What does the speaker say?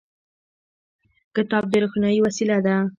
کتاب د روښنايي وسیله ده.